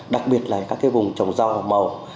đặc biệt là các cái vùng trồng rau màu